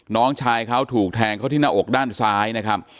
น้องชายเขาถูกแทงเขาที่หน้าอกด้านซ้ายนะครับ